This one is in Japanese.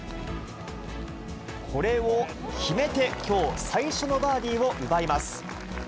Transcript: これを決めて、きょう最初のバーディーを奪います。